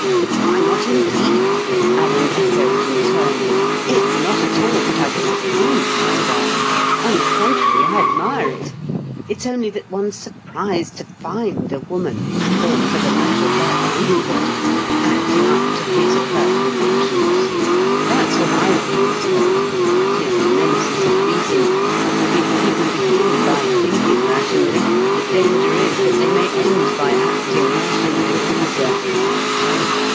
"Why not, indeed?" Alan echoed in turn. "It's not at all that I disapprove, Miss Barton; on the contrary, I admire it; it's only that one's surprised to find a woman, or for the matter of that anybody, acting up to his or her convictions. That's what I've always felt; 'tis the Nemesis of reason; if people begin by thinking rationally, the danger is that they may end by acting rationally also."